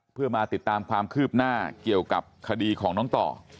เพื่อมาติดตามความคืบหน้าเกี่ยวกับคดีของน้องต่อ